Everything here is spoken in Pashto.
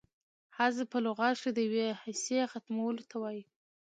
حذف په لغت کښي د یوې حصې ختمولو ته وايي.